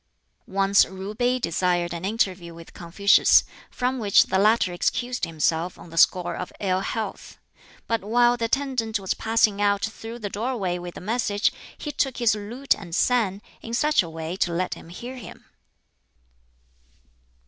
Once Ju Pi desired an interview with Confucius, from which the latter excused himself on the score of ill health; but while the attendant was passing out through the doorway with the message he took his lute and sang, in such a way as to let him hear him.